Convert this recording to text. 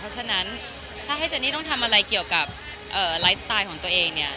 เพราะฉะนั้นถ้าให้เจนนี่ต้องทำอะไรเกี่ยวกับไลฟ์สไตล์ของตัวเองเนี่ย